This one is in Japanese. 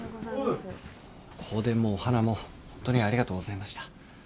香典もお花もホントにありがとうございました。